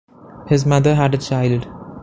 His mother had a child.